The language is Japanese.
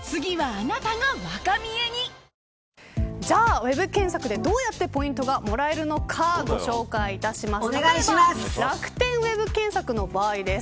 さあウェブ検索で、どうやってポイントがもらえるのかご紹介いたします。